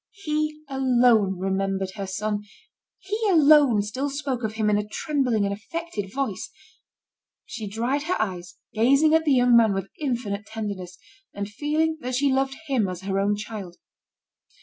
He alone remembered her son, he alone still spoke of him in a trembling and affected voice. She dried her eyes, gazing at the young man with infinite tenderness, and feeling that she loved him as her own child.